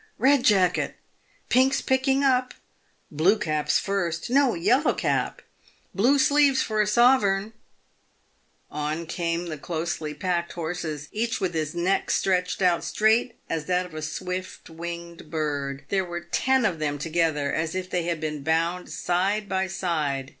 Bed Jacket!" " Pink's picking up !"" Blue Cap's first !"" No ! Yellow Cap !"" Blue Sleeves for a sovereign !" On came the closely packed horses, 222 PAVED WITH GOLD. each, with its neck stretched out straight as that of a swift winged bird. There were ten of them together as if they had been bound side by side.